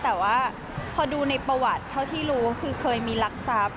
แต่ว่าพอดูในประวัติเท่าที่รู้คือเคยมีรักทรัพย์